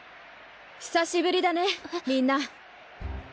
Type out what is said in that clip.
久しぶりだねみんな。